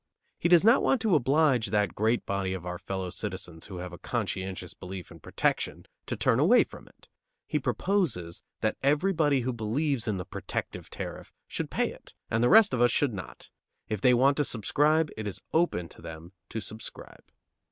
He does not want to oblige that great body of our fellow citizens who have a conscientious belief in "protection" to turn away from it. He proposes that everybody who believes in the "protective" tariff should pay it and the rest of us should not; if they want to subscribe, it is open to them to subscribe.